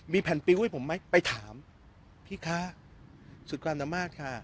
มีแผ่นปิ้วให้ผมไหมไปถามพี่คะสุดความสามารถค่ะ